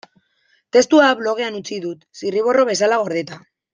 Testua blogean utzi dut, zirriborro bezala gordeta.